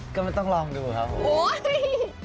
ก็ไม่ต้องลองดูครับผม